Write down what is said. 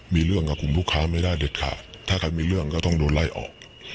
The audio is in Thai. มีเรื่องกับกลุ่มผู้ค้าไม่ได้เด็ดขาดถ้าใครมีเรื่องก็ต้องโดนไล่ออก